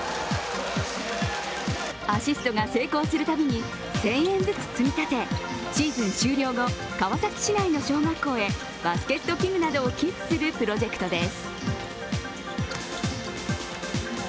アシストが成功するたびに１０００円ずつ積み立てシーズン終了後、川崎市内の小学校へバスケット器具などを寄付するプロジェクトです。